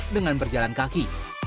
dengan berjalan kaki